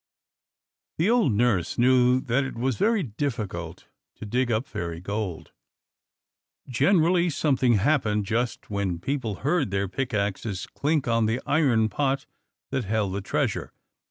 The old nurse knew that it was very difficult to dig up fairy gold. Generally something happened just when people heard their pick axes clink on the iron pot that held the treasure.